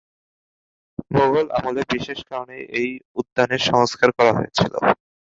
মুঘল আমলে বিশেষ কারণে এই উদ্যানের সংস্কার করা হয়েছিল।